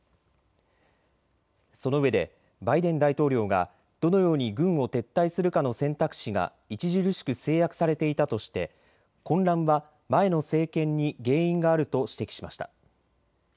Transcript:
そのうえでバイデン大統領がどのように軍を撤退するかの選択肢が著しく制約されていたとして混乱は前の政権に原因があると指摘しました。